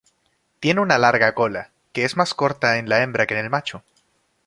Tiene una larga cola, que es más corta en la hembra que el macho.